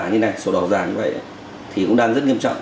như thế này sổ đỏ giả như vậy thì cũng đang rất nghiêm trọng